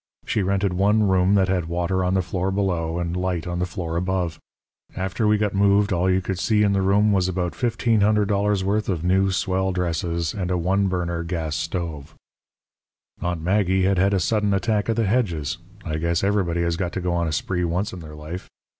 She rented one room that had water on the floor below and light on the floor above. After we got moved all you could see in the room was about $1,500 worth of new swell dresses and a one burner gas stove. "Aunt Maggie had had a sudden attack of the hedges. I guess everybody has got to go on a spree once in their life.